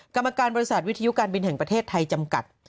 กรรมการบริษัทวิทยุการบินแห่งประเทศไทยจำกัด